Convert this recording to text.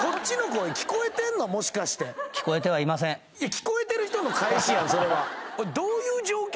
聞こえてる人の返しやんそれは。